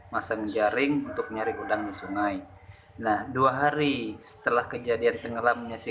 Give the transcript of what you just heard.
masang jaring untuk mencari udang di sungai nah dua hari setelah kejadian tenggelam menyiasi